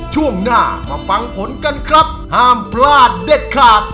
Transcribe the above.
ช่วงหน้ามาฟังผลกันครับห้ามพลาดเด็ดขาด